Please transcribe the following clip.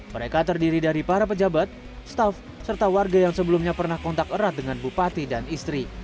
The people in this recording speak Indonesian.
mereka terdiri dari para pejabat staff serta warga yang sebelumnya pernah kontak erat dengan bupati dan istri